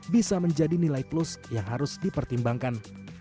bisa menjadi nilai plus yang harus dipertimbangkan